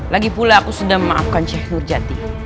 lagi pula aku sudah memaafkan syekh nurjati